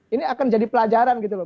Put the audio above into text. ini akan jadi pelajaran gitu loh